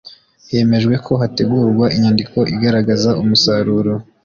hemejwe ko hategurwa inyandiko igaragaza umusaruro